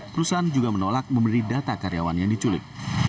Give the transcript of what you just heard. perusahaan juga menolak memberi data karyawan yang diculik